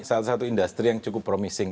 salah satu industri yang cukup promising